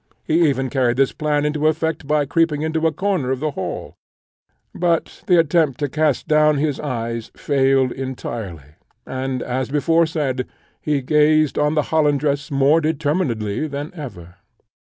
He even carried this plan into effect by creeping into a corner of the hall; but the attempt to cast down his eyes failed entirely, and, as before said, he gazed on the Hollandress more determinedly than ever.